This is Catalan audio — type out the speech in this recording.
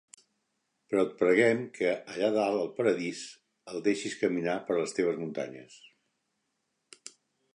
Però et preguem que, allà dalt al Paradís, el deixis caminar per les teves muntanyes.